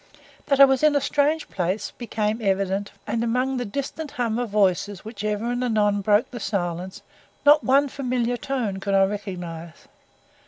That I was in a strange place became quickly evident, and among the distant hum of voices which ever and anon broke the silence not one familiar tone could I recognize.